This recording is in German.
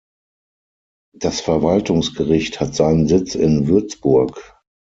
Das Verwaltungsgericht hat seinen Sitz in Würzburg.